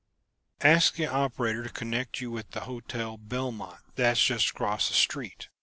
"Ask the operator to connect you with the Hotel Belmont. That's just across the street.